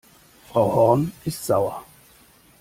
Frau Horn ist sauer.